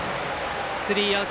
スリーアウト。